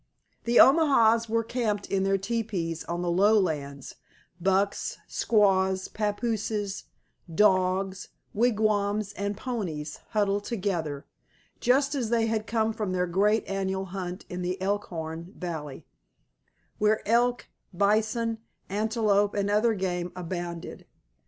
The Omahas were camped in their teepees on the lowlands, bucks, squaws, papooses, dogs, wigwams and ponies huddled together, just as they had come from their great annual hunt in the Elkhorn valley, where elk, bison, antelope and other game abounded.